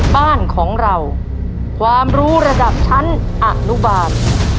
บ้านของเราความรู้ระดับชั้นอนุบาล